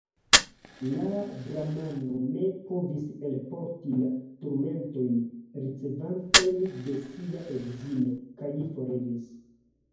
La bramano ne povis elporti la turmentojn, ricevatajn de sia edzino, kaj foriris.